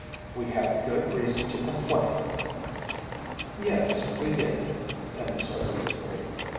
"We had good reason to complain." "Yes we did," Penny soberly agreed.